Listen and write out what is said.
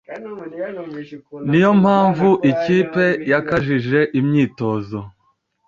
ni yo mpamvu ikipe yakajije imyitozo